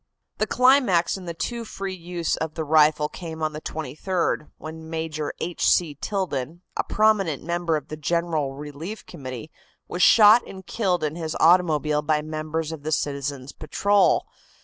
The climax in the too free use of the rifle came on the 23d, when Major H. C. Tilden, a prominent member of the General Relief Committee, was shot and killed in his automobile by members of the citizens' patrol.